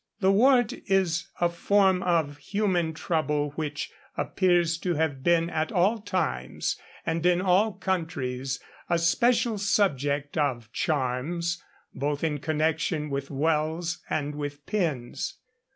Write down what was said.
The wart is a form of human trouble which appears to have been at all times and in all countries a special subject of charms, both in connection with wells and with pins.